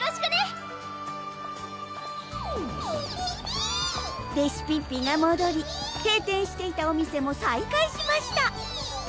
ピピピーレシピッピがもどり閉店していたお店も再開しました